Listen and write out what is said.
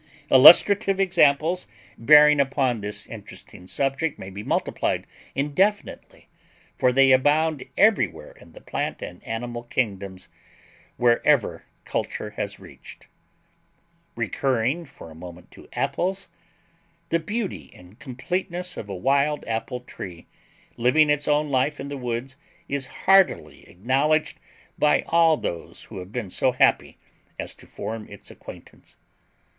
Illustrative examples bearing upon this interesting subject may be multiplied indefinitely, for they abound everywhere in the plant and animal kingdoms wherever culture has reached. Recurring for a moment to apples. The beauty and completeness of a wild apple tree living its own life in the woods is heartily acknowledged by all those who have been so happy as to form its acquaintance.